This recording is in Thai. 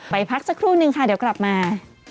ไปพักสักครู่นึงค่ะเดี๋ยวกลับมา